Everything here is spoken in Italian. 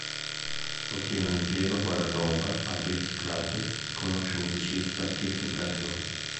Ottiene un impiego al guardaroba al Blitz Club e conosce il musicista Kirk Brandon.